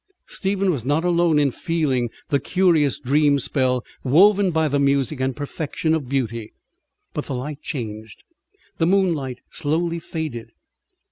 Stephen was not alone in feeling the curious dream spell woven by music and perfection of beauty. But the light changed. The moonlight slowly faded.